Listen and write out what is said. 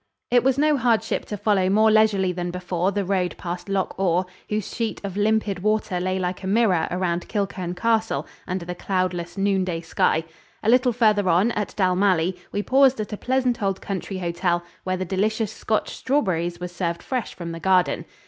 It was no hardship to follow more leisurely than before the road past Loch Awe, whose sheet of limpid water lay like a mirror around Kilchurn Castle under the cloudless, noonday sky. A little farther on, at Dalmally, we paused at a pleasant old country hotel, where the delicious Scotch strawberries were served fresh from the garden.